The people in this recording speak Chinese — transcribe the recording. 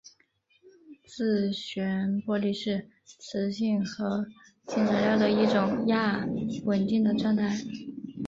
自旋玻璃是磁性合金材料的一种亚稳定的状态。